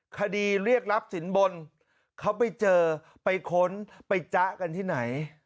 คดีเรียกรับสินบนเขาไปเจอไปค้นไปจ๊ะกันที่ไหน